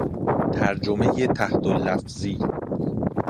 ترجمهٔ تحت الافظی